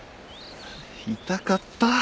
痛かった。